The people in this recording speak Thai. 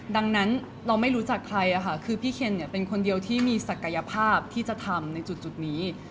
ดังนั้นเราไม่รู้จักใครคือพี่เคนเป็นคนเดียวที่มีศักยภาพที่จะทำในจุดนี้